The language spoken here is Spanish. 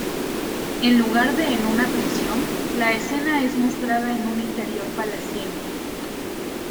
En lugar de en una prisión, la escena es mostrada en un interior palaciego.